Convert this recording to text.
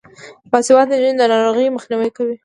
باسواده نجونې د ناروغیو مخنیوی کوي.